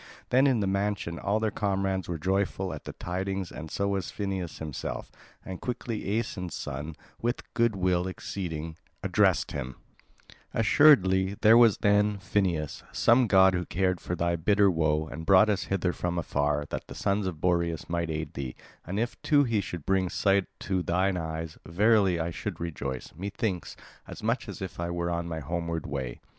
Then in the mansion all their comrades were joyful at the tidings and so was Phineus himself. And quickly Aeson's son, with good will exceeding, addressed him: "Assuredly there was then, Phineus, some god who cared for thy bitter woe, and brought us hither from afar, that the sons of Boreas might aid thee; and if too he should bring sight to thine eyes, verily I should rejoice, methinks, as much as if I were on my homeward way."